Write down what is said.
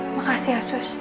makasih ya sus